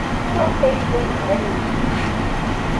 Maɣef ay llan bɣan ad yeddu Yidir?